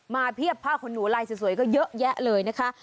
เพียบผ้าขนหนูลายสวยก็เยอะแยะเลยนะคะ